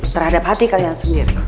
terhadap hati kalian sendiri